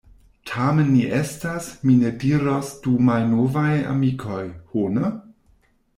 Tamen ni estas, mi ne diros du malnovaj amikoj, ho ne!